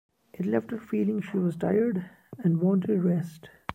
It left her feeling she was tired, and wanted rest.